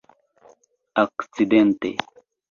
akcidente